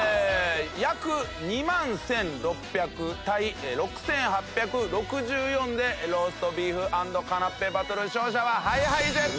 約２万１６００対６８６４でローストビーフ＆カナッペバトル勝者はＨｉＨｉＪｅｔｓ！